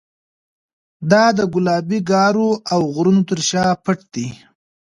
دا د ګلابي ګارو او غرونو تر شا پټ دی.